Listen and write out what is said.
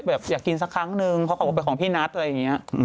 แบบอยากกินสักครั้งหนึ่งเขากลับออกไปของพี่นัทอะไรอย่างนี้